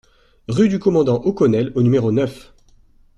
Rue du Commandant O Connel au numéro neuf